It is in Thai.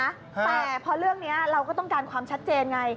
แต่พอเรื่องนี้เราก็ต้องการความชัดเจนไง